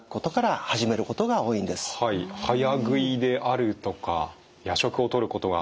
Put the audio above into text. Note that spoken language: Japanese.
「早食いである」とか「夜食をとることが多い」。